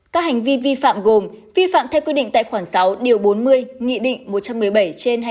các hành vi vi phạm gồm vi phạm theo quy định tại khoản sáu điều bốn mươi nghị định một trăm một mươi bảy trên hai nghìn hai mươi